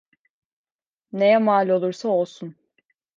Neye mal olursa olsun.